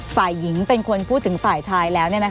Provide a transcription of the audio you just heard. ฝ่ายหญิงเป็นคนพูดถึงฝ่ายชายแล้ว